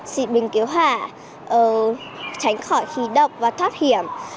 xịt bình cứu hỏa tránh khỏi khí độc và thoát hiểm